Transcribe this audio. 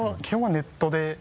基本はネットで。